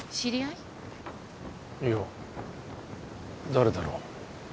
いや誰だろう。